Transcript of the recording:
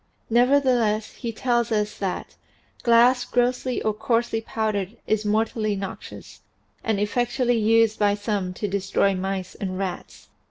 Nevertheless he tells us that "glass grossly or coarsely powdered is mortally noxious, and effectually used by some to destroy mice and rats."